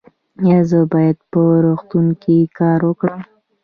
ایا زه باید په روغتون کې کار وکړم؟